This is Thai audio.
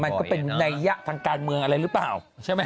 มันก็เป็นระญะทางการเมืองอะไรรึเปล่า